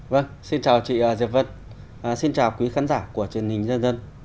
vâng xin chào chị diệp vân xin chào quý khán giả của truyền hình nhân dân